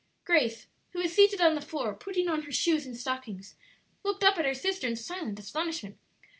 Grace, who was seated on the floor putting on her shoes and stockings, looked up at her sister in silent astonishment.